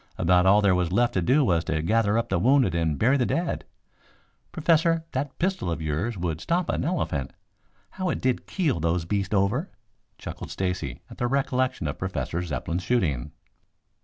About all there was left to do was to gather up the wounded and bury the dead. Professor, that pistol of yours would stop an elephant. How it did keel those beasts over!" chuckled Stacy at the recollection of Professor Zepplin's shooting.